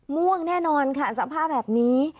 ม่วงแน่นอนค่ะสภาพแบบนี้